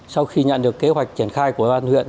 sau khi nhận được kế hoạch triển khai của văn huyện